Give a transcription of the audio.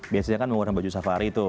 biasanya kan menggunakan baju safari tuh